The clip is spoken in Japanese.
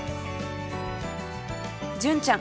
純ちゃん